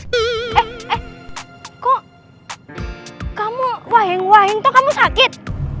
eh eh kok kamu waheng waheng toh kamu sakit